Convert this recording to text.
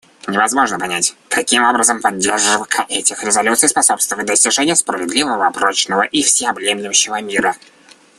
Невозможно понять, каким образом поддержка этих резолюций способствует достижению справедливого, прочного и всеобъемлющего мира.